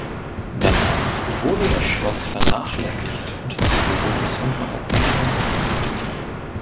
Danach wurde das Schloss vernachlässigt und zu Büros und Magazinen umfunktioniert.